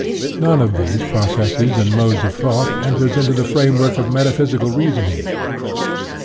None of these processes and modes of thought enters into the framework of meta physical reasoning.